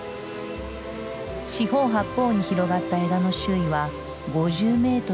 四方八方に広がった枝の周囲は５０メートルを優に超える。